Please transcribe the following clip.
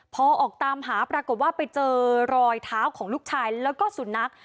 พอออกตามหาปรากฏว่าไปเจอรอยเท้าของลูกชายแล้วก็สุนัข